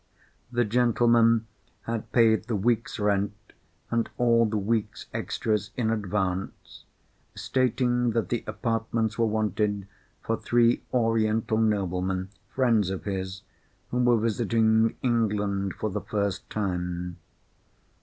The gentleman had paid the week's rent and all the week's extras in advance, stating that the apartments were wanted for three Oriental noblemen, friends of his, who were visiting England for the first time.